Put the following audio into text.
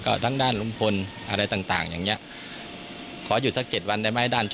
กลุ่มแบบเวลา